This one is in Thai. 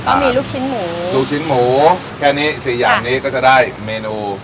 ก็มีลูกชิ้นหมูลูกชิ้นหมูแค่นี้สี่อย่างนี้ก็จะได้เมนู